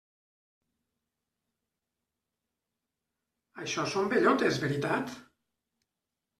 Això són bellotes, veritat?